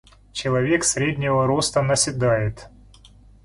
Человек среднего роста наседает.